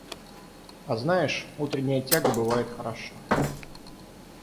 А знаешь, утренняя тяга бывает хороша.